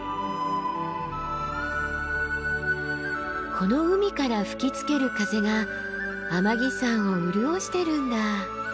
この海から吹きつける風が天城山を潤してるんだ。